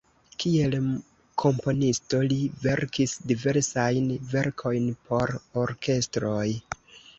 Kiel komponisto li verkis diversajn verkojn por orkestroj.